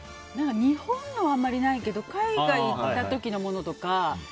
日本のはあんまりないけど海外行った時のものとか。